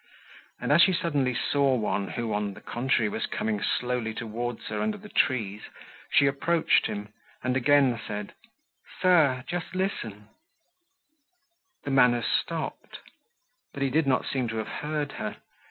And as she suddenly saw one who, on the contrary, was coming slowly towards her under the trees, she approached him and again said: "Sir, just listen—" The man has stopped. But he did not seem to have heard her.